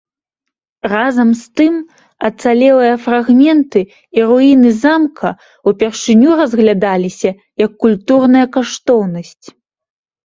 Разам з тым ацалелыя фрагменты і руіны замка ўпершыню разглядаліся як культурная каштоўнасць.